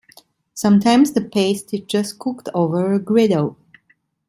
Sometimes the paste is just cooked over a griddle.